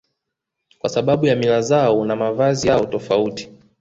Kwa sababu ya mila zao na mavazi yao tofauti